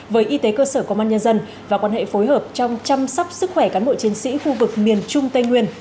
với y tế cơ sở công an nhân dân và quan hệ phối hợp trong chăm sóc sức khỏe cán bộ chiến sĩ khu vực miền trung tây nguyên